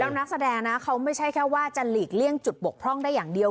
แล้วนักแสดงนะเขาไม่ใช่แค่ว่าจะหลีกเลี่ยงจุดบกพร่องได้อย่างเดียว